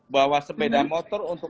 bahwa sepeda motor untuk